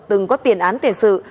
từng có tiền án tiền sự